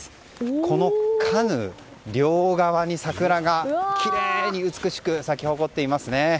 このカヌー両側に桜がきれいに美しく咲き誇っていますね。